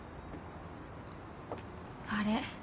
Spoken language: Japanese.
あれ？